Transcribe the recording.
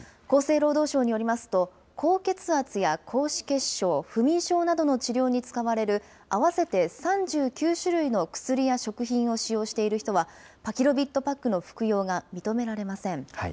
厚生労働省によりますと、高血圧や高脂血症、不眠症などの治療に使われる合わせて３９種類の薬や食品を使用している人は、パキロビッドパックの服用が認められません。